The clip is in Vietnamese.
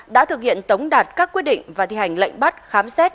đã thực hiện tống đạt các quyết định và thi hành lệnh bắt khám xét